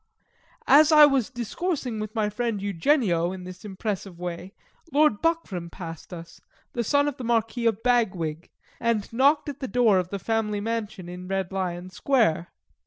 As I was discoursing with my friend Eugenio in this impressive way, Lord Buckram passed us, the son of the Marquis of Bagwig, and knocked at the door of the family mansion in Red Lion Square.